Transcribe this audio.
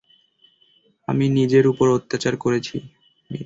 আমি নিজের উপর অত্যাচার করেছি।